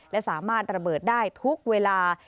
และสามารถระเบิดได้ทุกเวลา